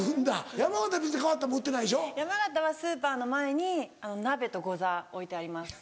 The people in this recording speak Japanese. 山形はスーパーの前に鍋とゴザ置いてあります。